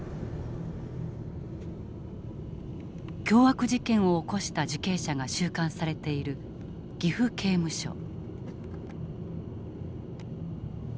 凶悪事件を起こした受刑者が収監されている岐阜刑務所。